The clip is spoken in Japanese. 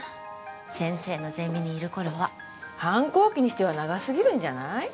先生のゼミにいる頃は反抗期にしては長すぎるんじゃない？